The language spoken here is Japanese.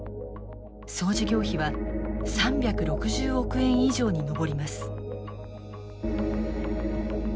総事業費は３６０億円以上に上ります。